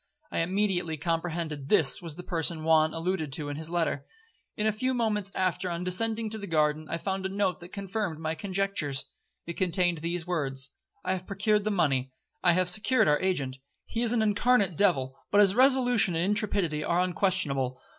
I immediately comprehended this was the person Juan alluded to in his letter. And in a few moments after, on descending to the garden, I found a note that confirmed my conjectures. It contained these words: 'I have procured the money—I have secured our agent. He is an incarnate devil, but his resolution and intrepidity are unquestionable.